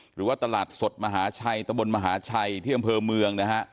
หรือว่าตลาดสดมหาชัยตะบลมหาชัยเที่ยงกับเมืองนะครับ